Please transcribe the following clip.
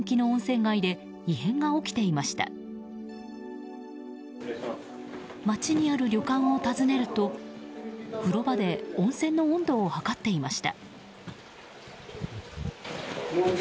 街にある旅館を訪ねると風呂場で温泉の温度を測っていました。